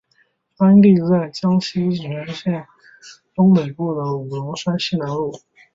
发源在江西省婺源县东北部的五龙山西南麓。